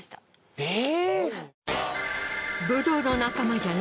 えっ？